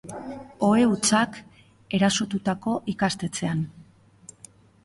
Ohe hutsak erasotutako ikastetxean.